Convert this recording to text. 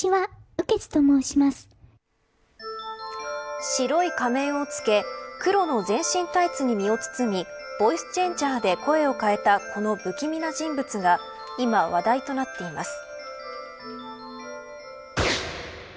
雨穴と申白い仮面をつけ黒の全身タイツに身を包みボイスチェンジャーで声を変えたこの不気味な人物が今話題となっています。